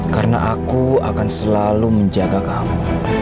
karena aku akan selalu menjaga kamu